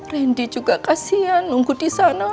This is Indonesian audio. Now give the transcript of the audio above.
randy juga kasian nunggu disana